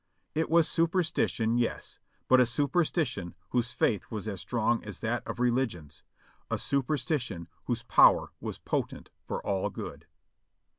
It was super stition, yes, but a superstition whose faith was as strong as that of religion's ; a superstition whose power was potent for all good.